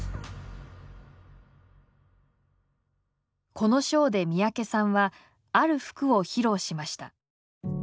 このショーで三宅さんはある服を披露しました。